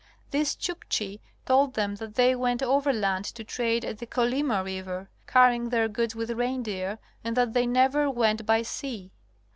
These Chukchi told them that they went over land to trade at the Kolyma River, carrying their goods with reindeer, and that they never went by sea.